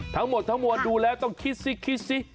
ทั้งหมดทั้งมวลดูแล้วต้องคิดสิคิดสิ